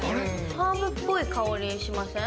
ハーブっぽい香りしません？